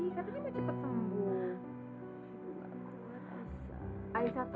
kamu diri rumahnya dulu